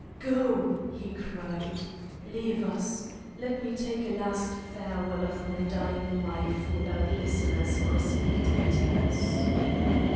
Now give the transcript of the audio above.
"Go," he cried; "leave us! Let me take a last farewell of my dying wife, without listeners or spectators."